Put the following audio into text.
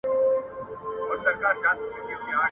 ډیری وخت ښځي په مېړونو